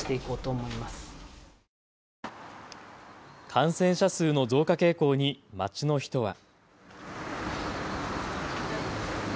感染者数の増加傾向に街の人は。